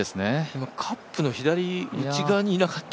今カップの左内側にいなかった？